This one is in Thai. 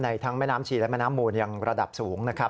ทั้งแม่น้ำชีและแม่น้ำมูลยังระดับสูงนะครับ